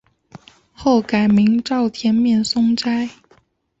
后改名沼田面松斋。